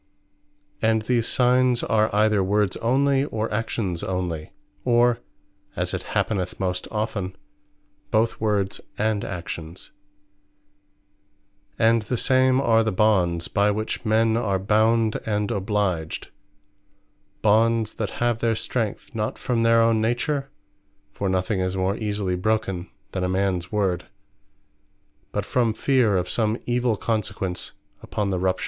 And these Signes are either Words onely, or Actions onely; or (as it happeneth most often) both Words and Actions. And the same are the BONDS, by which men are bound, and obliged: Bonds, that have their strength, not from their own Nature, (for nothing is more easily broken then a mans word,) but from Feare of some evill consequence upon the rupture.